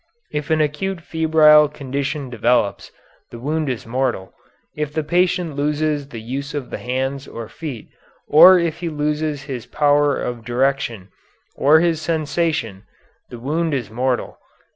If an acute febrile condition develops, the wound is mortal. If the patient loses the use of the hands and feet or if he loses his power of direction, or his sensation, the wound is mortal.